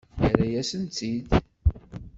Yerra-yasen-tt-id?